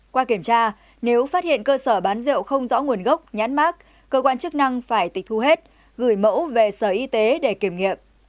qua kiểm tra nếu phát hiện cơ sở bán rượu không rõ nguồn gốc nhãn mát cơ quan chức năng phải tịch thu hết gửi mẫu về sở y tế để kiểm nghiệm